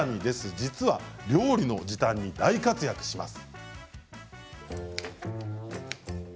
実は料理の時短に大活躍します。